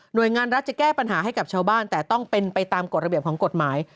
โดยงานรัฐจะแก้ปัญหาให้กับชาวบ้านแต่ต้องเป็นไปตามกฎระเบียบของกฎหมาย